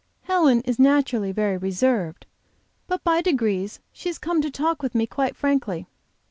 Helen is naturally very reserved, but by degrees she has come talk with me quite frankly.